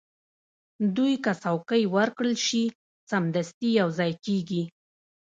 دوی که څوکۍ ورکړل شي، سمدستي یو ځای کېږي.